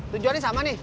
tujuan ini sama nih